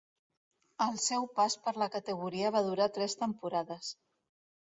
El seu pas per la categoria va durar tres temporades.